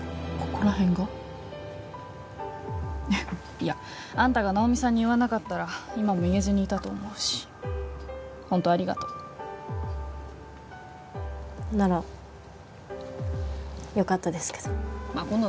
ここらへんがいやあんたが直美さんに言わなかったら今も言えずにいたと思うしホントありがとうならよかったですけどまあ